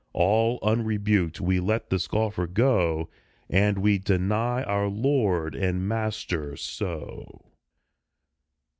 All unrebuked we let the scoffer go, And we deny our Lord and Master so.